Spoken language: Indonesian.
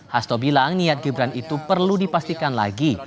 hasto bilang niat gibran itu perlu dipastikan lagi